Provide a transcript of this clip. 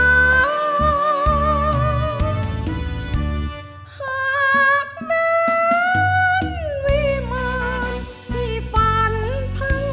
หากเป็นวิมานที่ฝันพังลง